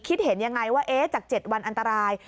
คิดเห็นยังไงว่าจาก๗วันอันตราย